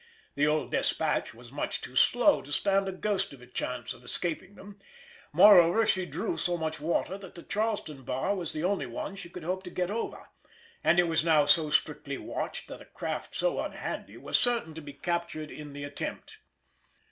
The old Despatch was much too slow to stand a ghost of a chance of escaping them, moreover she drew so much water that the Charleston bar was the only one she could hope to get over, and it was now so strictly watched that a craft so unhandy was certain to be captured in the attempt.